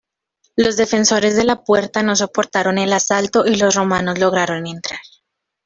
Los defensores de la puerta no soportaron el asalto y los romanos lograron entrar.